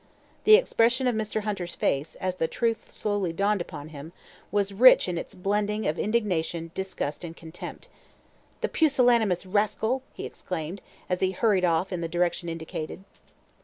The expression of Mr. Hunter's face, as the truth slowly dawned upon him, was rich in its blending of indignation, disgust, and contempt. "The pusillanimous rascal!" he exclaimed, as he hurried off in the direction indicated.